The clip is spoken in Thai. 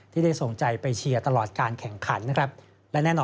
ที่ได้ส่งใจไปเชียร์ตลอดการแข่งขันนะครับ